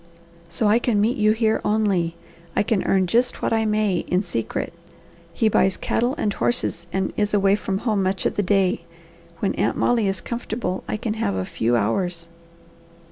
So I can meet you here only. I can earn just what I may in secret. He buys cattle and horses and is away from home much of the day, and when Aunt Molly is comfortable I can have a few hours."